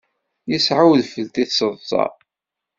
Yesɛa udfel tiseḍsa.